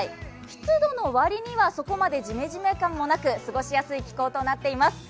湿度のわりにはそこまでジメジメ感もなく過ごしやすい気候となっています。